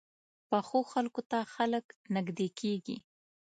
پخو خلکو ته خلک نږدې کېږي